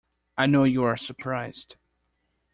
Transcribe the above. I know you are surprised.